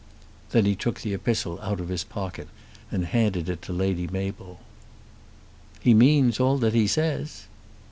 Then he took the epistle out of his pocket and handed it to Lady Mabel. "He means all that he says."